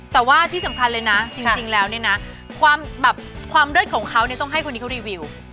แต่ว่าที่สำคัญเลยนะจริงแล้วเนี่ยนะความแบบความเลิศของเขาเนี่ยต้องให้คนนี้เขารีวิว